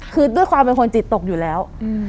คือด้วยความเป็นคนจิตตกอยู่แล้ว